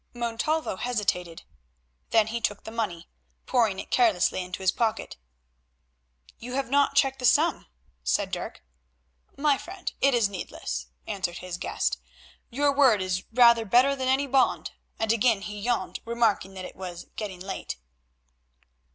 Montalvo hesitated. Then he took the money, pouring it carelessly into his pocket. "You have not checked the sum," said Dirk. "My friend, it is needless," answered his guest, "your word is rather better than any bond," and again he yawned, remarking that it was getting late.